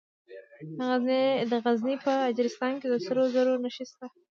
د غزني په اجرستان کې د سرو زرو نښې شته.